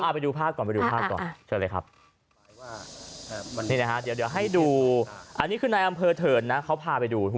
ไปดูภาพก่อนเดี๋ยวให้ดูอันนี้คือในอำเภอเถิร์นเขาพาไปดู